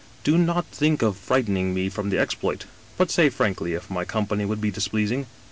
Do not think of frightening me from the exploit, but say frankly if my com pany would be displeasing.'